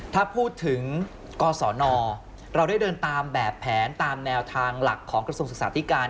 ถ้าพูดถึงกศนเราได้เดินตามแบบแผนตามแนวทางหลักของกระทรวงศึกษาธิการ